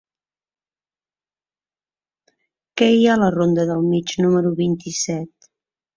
Què hi ha a la ronda del Mig número vint-i-set?